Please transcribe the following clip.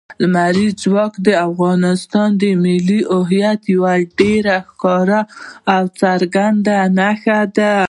لمریز ځواک د افغانستان د ملي هویت یوه ډېره ښکاره او څرګنده نښه ده.